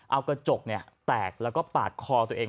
เอากระจกแตกแล้วก็ปาดคอตัวเอง